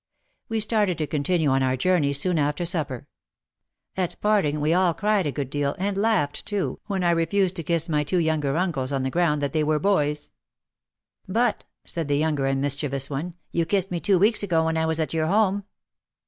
We started to continue on our journey soon after sup per. At parting we all cried a good deal and laughed, too, when I refused to kiss my two younger uncles on the ground that they were boys. "But," said the younger and mischievous one, "you kissed me two weeks ago when I was at your home."